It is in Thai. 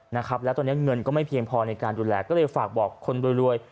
นะครับแล้วตอนนี้เงินก็ไม่เพียงพอในการดูแลก็เลยฝากบอกคนรวยรวย